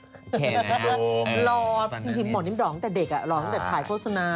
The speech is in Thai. โอเคนะรอจริงหมอนิ้มด่อตั้งแต่เด็กอ่ะรอตั้งแต่ขายโฆษณา